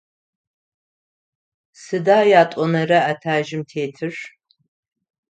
Сыда ятӏонэрэ этажым тетыр?